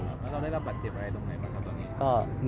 หาผิดจากไหน